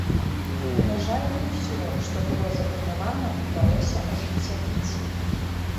На жаль, не ўсё, што было запланавана, удалося ажыццявіць.